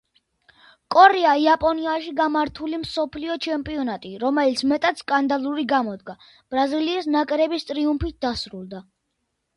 კორეა–იაპონიაში გამართული მსოფლიო ჩემპიონატი, რომელიც მეტად სკანდალური გამოდგა, ბრაზილიის ნაკრების ტრიუმფით დასრულდა.